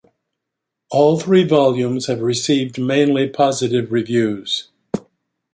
All three volumes have received mainly positive reviews.